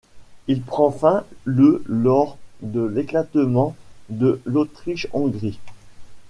Il prend fin le lors de l'éclatement de l'Autriche-Hongrie.